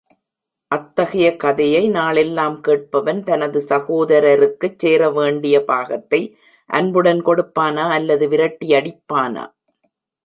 அத்தகைய கதையை நாளெல்லாம் கேட்பவன் தனது சகோதரருக்குச் சேர வேண்டிய பாகத்தை அன்புடன் கொடுப்பானா அல்லது விரட்டியடிப்பானா.